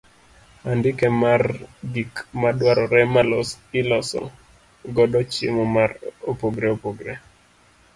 Andike mar gik ma dwarore ma iloso godo chiemo ma opogore opogore.